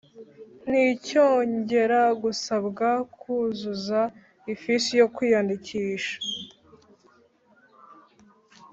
nticyongera gusabwa kuzuza ifishi yo kwiyandikisha.